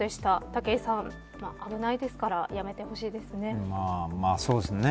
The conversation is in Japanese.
武井さん、危ないですからやめてほしいですね。